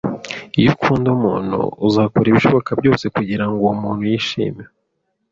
Iyo ukunda umuntu, uzakora ibishoboka byose kugirango uwo muntu yishime.